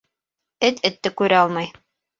Эт этте күрә алмай.